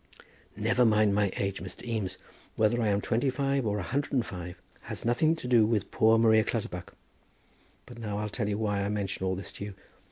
"Never mind my age, Mr. Eames; whether I am twenty five, or a hundred and five, has nothing to do with poor Maria Clutterbuck. But now I'll tell you why I mention all this to you.